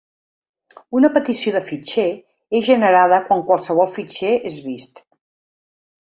Una petició de fitxer és generada quan qualsevol fitxer és vist.